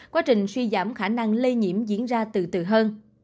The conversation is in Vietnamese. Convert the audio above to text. quá trình suy giảm khả năng lây nhiễm diễn ra từ từ hơn